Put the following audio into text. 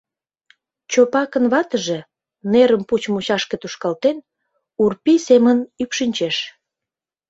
Чопакын ватыже, нерым пуч мучашке тушкалтен, урпий семын ӱпшынчеш.